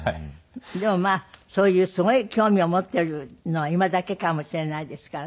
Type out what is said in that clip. でもまあそういうすごい興味を持ってるのは今だけかもしれないですからね。